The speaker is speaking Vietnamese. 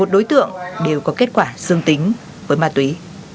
một mươi một đối tượng đều có kết quả dương tính với ma túy